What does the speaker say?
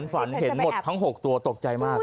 ฝันเห็นหมดทั้ง๖ตัวตกใจมาก